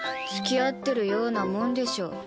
つきあってるようなもんでしょ